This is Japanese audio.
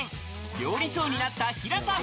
料理長になったヒラさん。